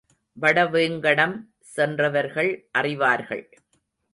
வடவேங்கடம் சென்றவர்கள் அறிவார்கள்.